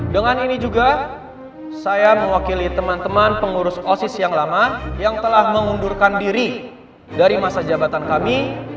dengan ini juga saya mewakili teman teman pengurus osis yang lama yang telah mengundurkan diri dari masa jabatan kami